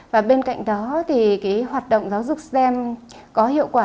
và bên cạnh đó thì cái hoạt động giáo dục stem có hiệu quả